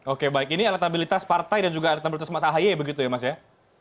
oke baik ini elektabilitas partai dan juga elektabilitas mas ahy begitu ya mas ya